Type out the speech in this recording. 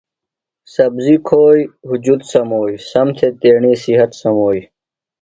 سبزیۡ کُھوئی ہُجت سموئی، سم تیݨی صحت سموئی